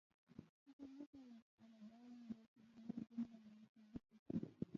فکر نه کوم عربان پر ما دومره مصارف وکړي.